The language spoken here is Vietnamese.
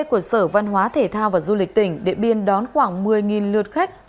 của sở văn hóa thể thao và du lịch tỉnh điện biên đón khoảng một mươi lượt khách